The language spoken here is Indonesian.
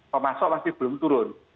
pemasok masih belum turun